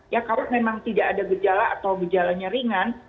ya kalau memang tidak ada gejala atau gejalanya ringan